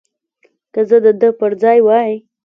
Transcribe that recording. که زه د ده پر ځای وای.